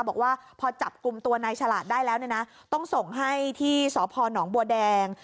บอกว่าพอจับกลุ่มตัวนายฉลาดได้แล้วเนี่ยนะต้องส่งให้ที่สพนบัวแดง